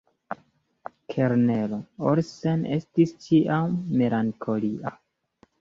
Kelnero Olsen estis ĉiam melankolia.